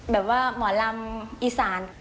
แบบว่าหมอลำอีสาน